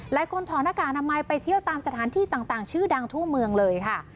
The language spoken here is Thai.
ถอดหน้ากากอนามัยไปเที่ยวตามสถานที่ต่างชื่อดังทั่วเมืองเลยค่ะ